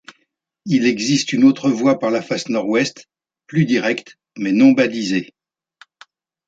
Il existe une autre voie par la face Nord-Ouest, plus directe, mais non balisée.